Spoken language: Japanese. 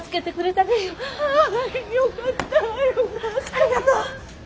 ありがとう。